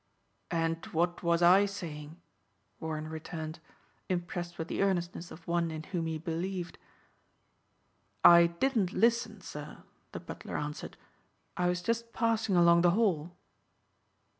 "And what was I saying?" Warren returned, impressed with the earnestness of one in whom he believed. "I didn't listen, sir," the butler answered. "I was just passing along the hall."